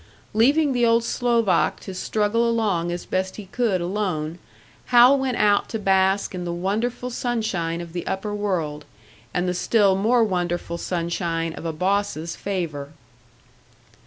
Leaving the old Slovak to struggle along as best he could alone, Hal went out to bask in the wonderful sunshine of the upper world, and the still more wonderful sunshine of a boss's favour.